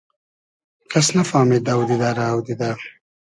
کئس نئفامید اۆدیدۂ رۂ اۆدیدۂ